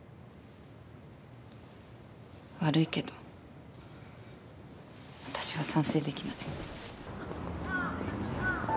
悪いけど私は賛成できない。